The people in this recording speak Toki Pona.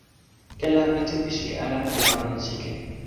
ken la mi tu pi sike ala li awen lon sike.